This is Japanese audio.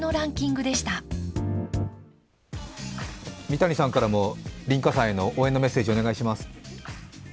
三谷さんからも倫果さんへの応援のメッセージお願いします。